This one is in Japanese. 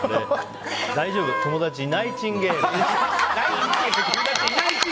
大丈夫友達いナイチンゲール！